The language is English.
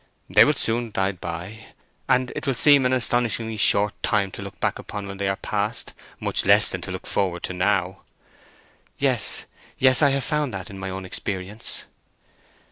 "They will soon glide by, and it will seem an astonishingly short time to look back upon when they are past—much less than to look forward to now." "Yes, yes; I have found that in my own experience."